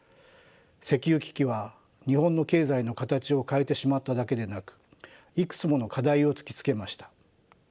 石油危機は日本の経済の形を変えてしまっただけでなくいくつもの課題を突きつけました。